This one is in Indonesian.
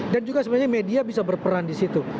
dan juga sebenarnya media bisa berperan di situ